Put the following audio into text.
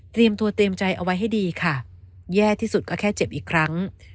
ตัวเตรียมใจเอาไว้ให้ดีค่ะแย่ที่สุดก็แค่เจ็บอีกครั้ง